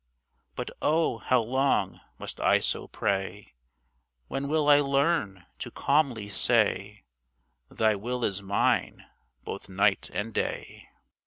But, O, how long must I so pray? When will I learn to calmly say, "Thy will is mine," both night and day?